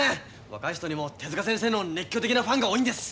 若い人にも手先生の熱狂的なファンが多いんです！